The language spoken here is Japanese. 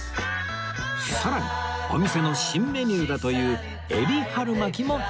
さらにお店の新メニューだというエビ春巻も注文